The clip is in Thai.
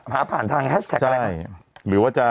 หาผ่านทางให้ได้หรือว่าจะ